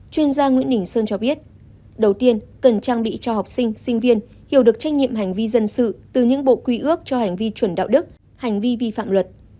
chuyên gia nguyễn đình sơn cho biết đầu tiên cần trang bị cho học sinh sinh viên hiểu được trách nhiệm hành vi dân sự từ những bộ quy ước cho hành vi chuẩn đạo đức hành vi vi phạm luật